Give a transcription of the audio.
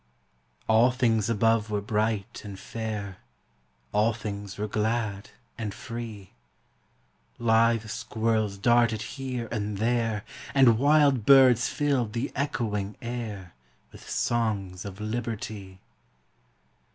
All things above were bright and fair, All things were glad and free; Lithe squirrels darted here and there, And wild birds filled the echoing air With songs of Liberty!